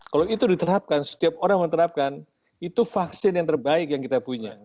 kalau itu diterapkan setiap orang menerapkan itu vaksin yang terbaik yang kita punya